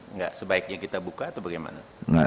nggak sebaiknya kita buka atau bagaimana